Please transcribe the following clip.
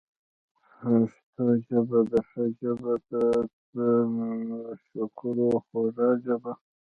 پښتو ژبه ده ښه ژبه، تر شکرو خوږه ژبه